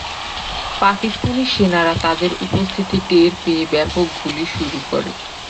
পাকিস্তানি সেনারা তাঁদের উপস্থিতি টের পেয়ে ব্যাপক গুলি শুরু করে।